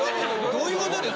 どういうことです？